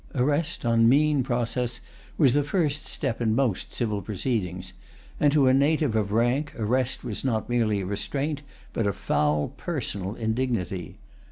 Arrest on mesne process was the first step in most civil proceedings; and to a native of rank arrest was not merely a restraint, but a foul personal indignity.